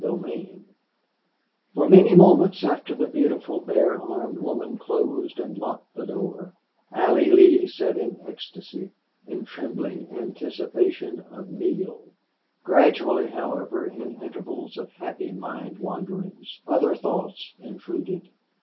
27 For many moments after the beautiful bare armed woman closed and locked the door Allie Lee sat in ecstasy, in trembling anticipation of Neale. Gradually, however, in intervals of happy mind wanderings, other thoughts intruded.